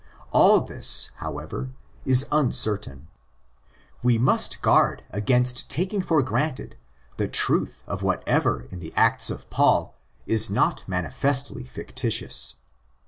All this, however, is uncertain. We must guard against taking for granted the truth of whatever in the Acts of Paul is not manifestly fictitious.